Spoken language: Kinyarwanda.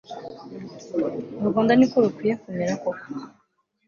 u rwanda niko rukwiye kumera koko